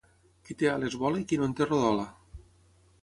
Qui té ales vola i qui no en té rodola.